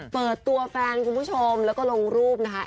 เปิดตัวแฟนคุณผู้ชมแล้วก็ลงรูปนะคะ